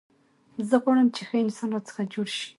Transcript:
زه غواړم، چي ښه انسان راڅخه جوړ سي.